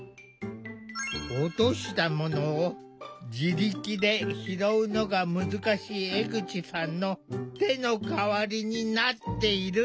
落としたものを自力で拾うのが難しい江口さんの手の代わりになっている。